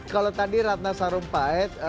kalau tadi ratna sarumpait